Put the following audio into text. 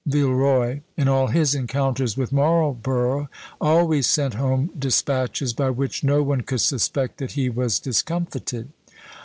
Villeroy, in all his encounters with Marlborough, always sent home despatches by which no one could suspect that he was discomfited.